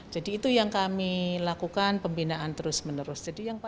jadi itu yang kami lakukan pembinaan terus menerus